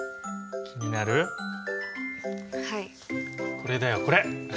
これだよこれ！